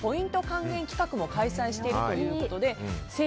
還元企画も開催しているということです。